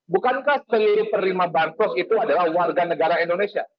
bukankah seluruh terima bantuan itu adalah warga negara indonesia